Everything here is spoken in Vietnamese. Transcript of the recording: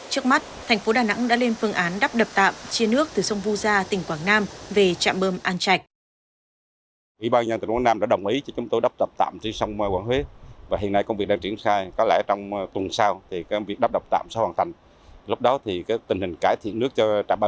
trước mắt thành phố đà nẵng đã lên phương án đắp đập tạm chia nước từ sông vu gia tỉnh quảng nam về trạm bơm an trạch